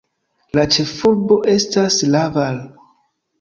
La ĉefurbo estas Laval.